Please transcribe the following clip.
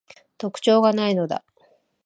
特徴が無いのだ